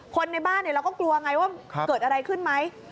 คนในบ้านเราก็กลัวไงว่าเกิดอะไรขึ้นไหม